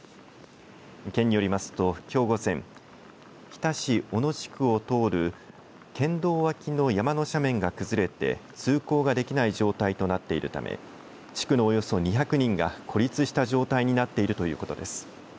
県によりますと、きょう午前日田市小野地区を通る県道脇の山の斜面が崩れて通行ができない状態となっているため地区のおよそ２００人が孤立した状態になっているということです。